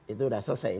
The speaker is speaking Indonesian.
itu udah selesai